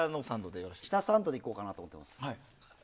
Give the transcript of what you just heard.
下の３度でいこうかと思っています。